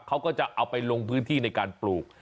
เขาก็จะเอาไปลงพื้นที่ในการปลูก